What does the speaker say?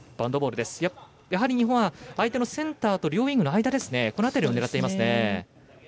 やはり日本は相手のセンターと両ウイングの間を狙ってますね。